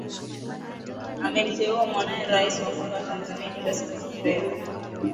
Amemteua mwanae rais wa kwanza wa Tanzania Julius Nyerere